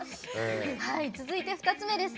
続いて、２つ目です。